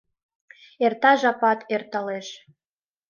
Эрта жапат, эрталеш